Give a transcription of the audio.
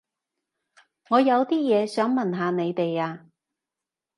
我有啲嘢想問下你哋啊